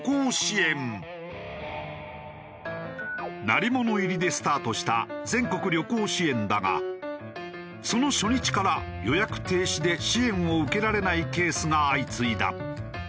鳴り物入りでスタートした全国旅行支援だがその初日から予約停止で支援を受けられないケースが相次いだ。